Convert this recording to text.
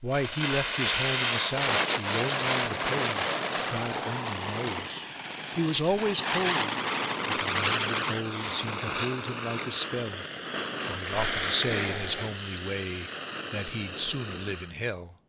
Why he left his home in the South to roam 'round the Pole, God only knows. He was always cold, but the land of gold seemed to hold him like a spell; Though he'd often say in his homely way that he'd "sooner live in hell".